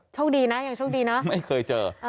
โชคดีนะยังโชคดีนะไม่เคยเจอ